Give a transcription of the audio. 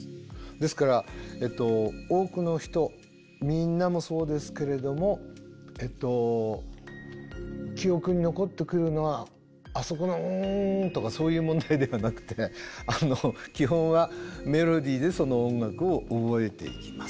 ですから多くの人みんなもそうですけれども記憶に残ってくるのはあそこの「うーん」とかそういう問題ではなくて基本はメロディーでその音楽を覚えていきます。